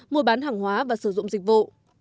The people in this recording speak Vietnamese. mua bán hàng hóa và sử dụng dịch vụ